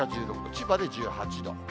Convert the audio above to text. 千葉で１８度。